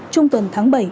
trung tuần tháng bảy